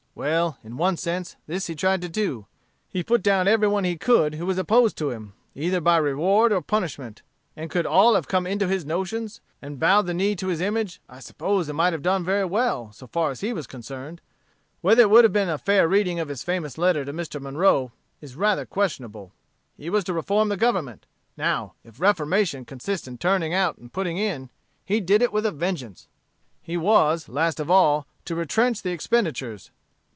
Well, in one sense, this he tried to do: he put down every one he could who was opposed to him, either by reward or punishment; and could all have come into his notions, and bowed the knee to his image, I suppose it might have done very well, so far as he was concerned. Whether it would have been a fair reading of his famous letter to Mr. Monroe, is rather questionable. He was to reform the Government. Now, if reformation consists in turning out and putting in, he did it with a vengeance. "He was, last of all, to retrench the expenditures.